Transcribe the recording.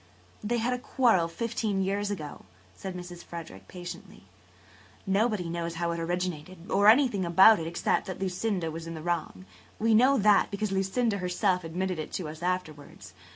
" "They had a quarrel fifteen years ago," said Mrs. Frederick patiently. "Nobody knows how it originated or anything about it except that Lucinda was in the wrong. We know that, because Lucinda herself admitted it to us afterwards.